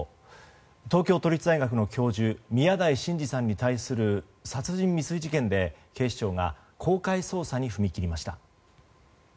東京都立大学の教授宮台真司さんに対する殺人未遂事件で警視庁が公開捜査に踏み切りました。